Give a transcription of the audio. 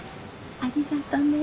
ありがとね。